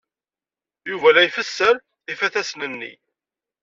Yuba la ifesser ifatasen-nni.